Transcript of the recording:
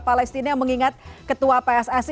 palestina mengingat ketua psac